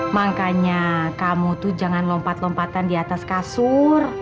makanya kamu tuh jangan lompat lompatan di atas kasur